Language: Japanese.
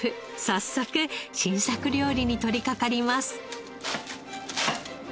早速新作料理に取りかかります。